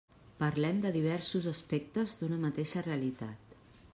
Parlem de diversos aspectes d'una mateixa realitat.